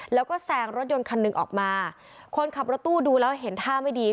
แล้วก็แซงรถยนต์คันหนึ่งออกมาคนขับรถตู้ดูแล้วเห็นท่าไม่ดี